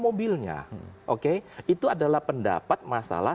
mobilnya oke itu adalah pendapat masalah